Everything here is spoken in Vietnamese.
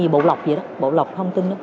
bộ lọc thông tin